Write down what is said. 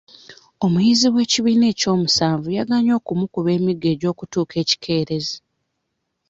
Omuyizi w'ekibiina ekyomusanvu yagaanye okumukuba emiggo gy'okutuuka ekikeerezi